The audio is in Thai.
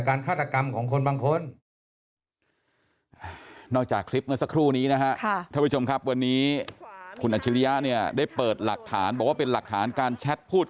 อาชิริยะเนี่ยได้เปิดหลักฐานบอกว่าเป็นหลักฐานการแชทพูด